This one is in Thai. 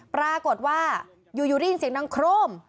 ปรากฏว่าอยู่ได้ยินเสียงดังโครม